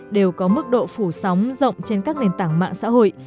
đều có mức độ phủ sóng rộng trên các nền tảng mạng xã hội